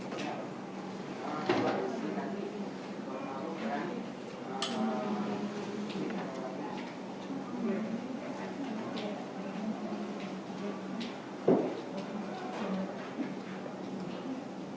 terlihat sedang tertidur